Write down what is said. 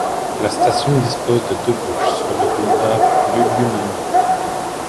La station dispose de deux bouches sur le boulevard Luliu Maniu.